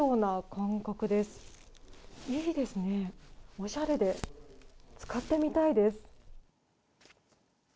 おしゃれで、使ってみたいです。